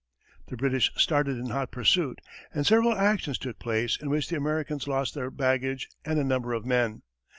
The British started in hot pursuit, and several actions took place in which the Americans lost their baggage and a number of men.